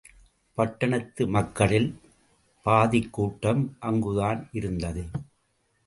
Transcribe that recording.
பட்டணத்து மக்களில் பாதிக்கூட்டம் அங்குதான் இருந்தது.